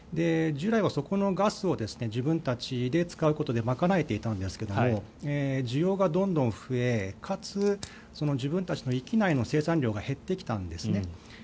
従来はそこのガスを自分たちで使うことで賄えていたんですが需要がどんどん増えかつ自分たちの域内の生産量が減ってきたんですね。